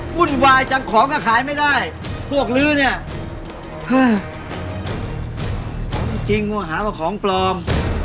วุ่นวายจังของก็ขายไม่ได้พวกลื้อเนี่ยของจริงก็หาว่าของปลอม